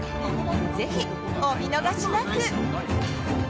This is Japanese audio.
ぜひお見逃しなく！